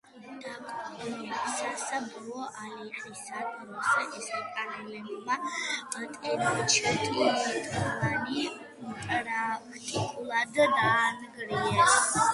დაპყრობისას, ბოლო ალყისა დროს, ესპანელებმა ტენოჩტიტლანი პრაქტიკულად დაანგრიეს.